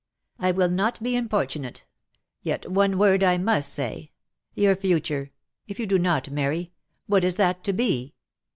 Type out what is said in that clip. " I will not be importunate. Yet one word I must say. Your future — if you do not marry — what is that to be?